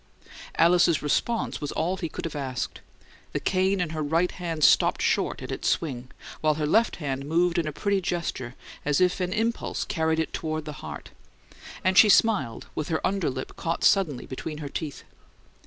Alice's response was all he could have asked. The cane in her right hand stopped short in its swing, while her left hand moved in a pretty gesture as if an impulse carried it toward the heart; and she smiled, with her under lip caught suddenly between her teeth.